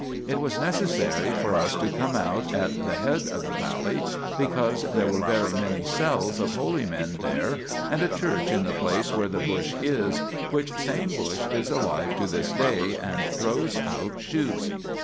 It was necessary for us to come out 1 Exod. xxiv. 9 14. 8 THE PILGRIMAGE OF ETHERIA at the head of the valley, because there were very many cells of holy men there, and a church in the place where the bush is, which same bush is alive to this day and throws out shoots.